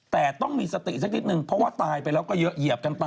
แต่ต้องมีสติสักนิดนึงเพราะว่าตายไปแล้วก็เยอะเหยียบกันไป